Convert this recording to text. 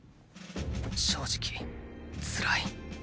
正直つらい。